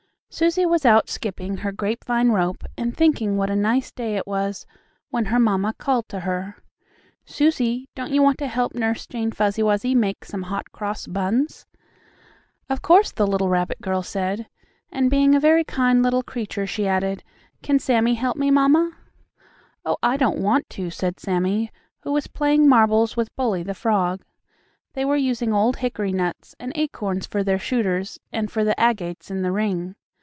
Susie was out skipping her grapevine rope, and thinking what a nice day it was, when her mamma called to her: "Susie, don't you want to help Nurse Jane Fuzzy Wuzzy make some Hot Cross Buns?" "Of course," the little rabbit girl said, and, being a very kind little creature, she added: "Can Sammie help me, mamma?" "Oh, I don't want to," said Sammie, who was playing marbles with Bully, the frog. They were using old hickory nuts and acorns for their shooters and for the agates in the ring.